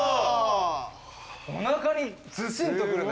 おなかにズシンとくるね。